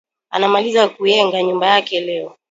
Anamaliza ku yenga nyumba yake leo